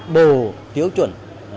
đồ tiêu chuẩn